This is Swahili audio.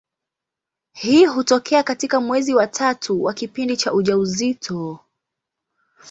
Hii hutokea katika mwezi wa tatu wa kipindi cha ujauzito.